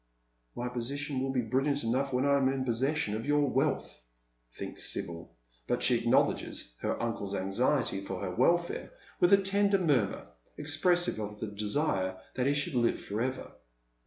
" My position will be brilliant enough when I am in possession of your wealth," thinks Sibyl, but she acknowledges her uncle's anxiety for her welfare with a tender murmur, expressive of the desire that he should live for ever.